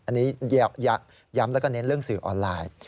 อันนี้ย้ำแล้วก็เน้นเรื่องสื่อออนไลน์